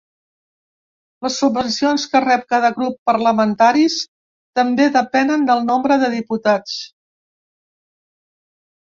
Les subvencions que rep cada grup parlamentaris també depenen del nombre de diputats.